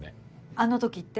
あの時って？